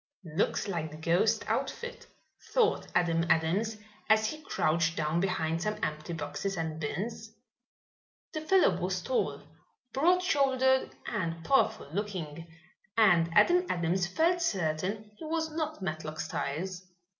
"Looks like the ghost outfit," thought Adam Adams, as he crouched down behind some empty boxes and bins. The fellow was tall, broad shouldered and powerful looking, and Adam Adams felt certain he was not Matlock Styles.